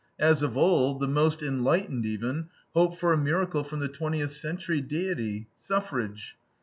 As of old, the most enlightened, even, hope for a miracle from the twentieth century deity, suffrage.